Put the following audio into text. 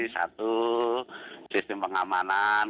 satu sistem pengamanan